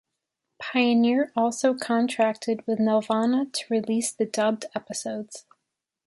Pioneer also contracted with Nelvana to release the dubbed episodes.